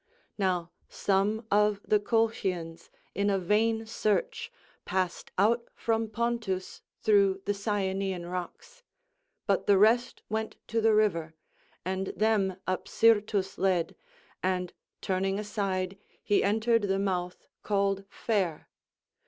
Now some of the Colchians, in a vain search, passed out from Pontus through the Cyanean rocks; but the rest went to the river, and them Apsyrtus led, and, turning aside, he entered the mouth called Fair.